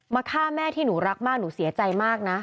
ฆ่าแม่ที่หนูรักมากหนูเสียใจมากนะ